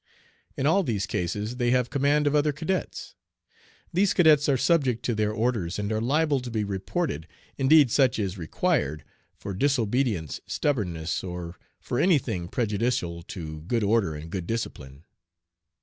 In all these cases they have command of other cadets. These cadets are subject to their orders and are liable to be reported indeed such is required for disobedience, stubbornness, or for any thing prejudicial to good order and good discipline.